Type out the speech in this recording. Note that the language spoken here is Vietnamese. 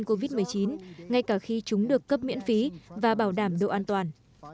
hoặc chắc chắn sẽ không tiêm vaccine covid một mươi chín ngay cả khi chúng được cấp miễn phí và bảo đảm độ an toàn